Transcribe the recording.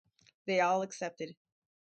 They all accepted.